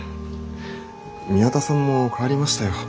宮田さんも変わりましたよ。